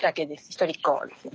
一人っ子ですね。